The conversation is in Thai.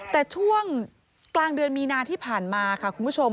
แต่ช่วงกลางเดือนมีนาที่ผ่านมาค่ะคุณผู้ชม